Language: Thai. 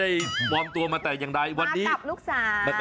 ที่ตลาดรังสิทธิ์ครับผม